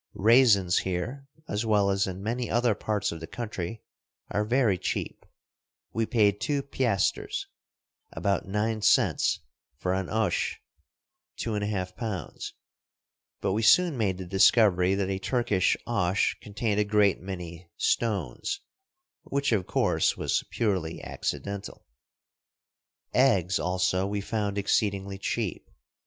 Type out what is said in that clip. Raisins here, as well as in many other parts of the country, are very cheap. We paid two piasters (about 17 SCENE AT A GREEK INN. 18 Across Asia on a Bicycle [201 nine cents) for an oche (two and a half pounds), but we soon made the discovery that a Turkish oche contained a great many "stones" — which of course was purely accidental. Eggs, also, we found exceedingly cheap.